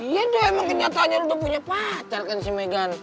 iya deh emang nyatanya lo udah punya pacar kan si megan